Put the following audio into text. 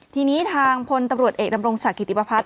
ทีนี้ทางพลตำรวจเอกดำรงศักดิติประพัฒน